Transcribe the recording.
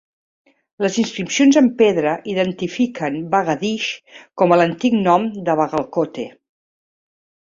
Les inscripcions en pedra identifiquen "Bagadige" com a l'antic nom de Bagalkote.